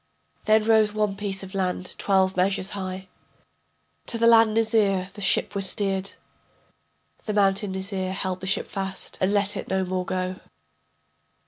Then rose one piece of land twelve measures high. To the land Nizir the ship was steered, The mountain Nizir held the ship fast, and let it no more go.